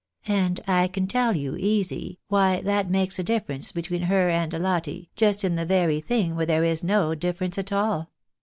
" And I can tell you, EGEETC FEELING. 193 easy, why that makes a difference between her and Lotte, just in t]ie very thing where there is no difference at all.